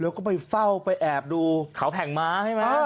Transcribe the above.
แล้วก็ไปเฝ้าไปแอบดูเขาแผ่งม้าใช่ไหม